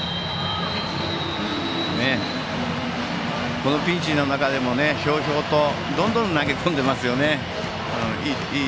このピンチの中でもひょうひょうとどんどん投げ込んでいますよね。